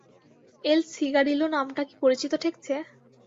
এল Cigarillo নামটা কি পরিচিত ঠেকছে?